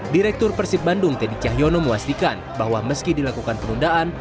direktur persib bandung teddy cahyono memastikan bahwa meski dilakukan penundaan